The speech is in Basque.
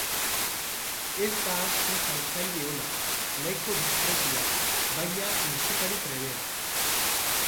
Ez da aski saltzaile ona, nahiko diskretua, baina musikari trebea.